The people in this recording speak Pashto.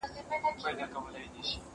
دا موسيقي له هغه خوږه ده